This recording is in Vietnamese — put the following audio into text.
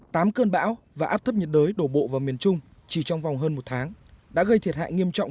tám cơn bão và áp thấp nhiệt đới đổ bộ vào miền trung chỉ trong vòng hơn một tháng đã gây thiệt hại nghiêm trọng